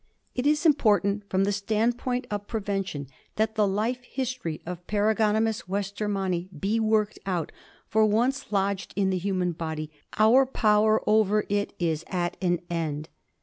It is important from the standpoint of prevention that the life history of Paragonimus westermanni be worked out, for, once lodged in the human body, our power over it is at an end.